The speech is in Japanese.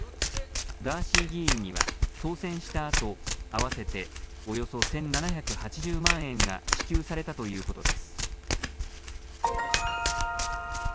ガーシー議員には、当選したあと、合わせておよそ１７８０万円が支給されたということです。